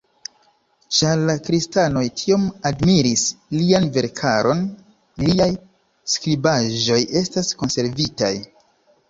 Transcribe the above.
Ĉar la kristanoj tiom admiris lian verkaron, liaj skribaĵoj estas konservitaj.